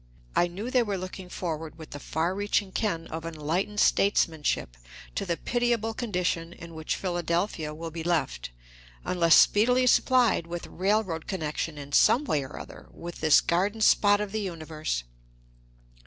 I knew they were looking forward with the far reaching ken of enlightened statesmanship to the pitiable condition in which Philadelphia will be left, unless speedily supplied with railroad connection in some way or other with this garden spot of the universe.